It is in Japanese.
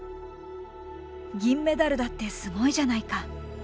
銀メダルだってすごいじゃないか！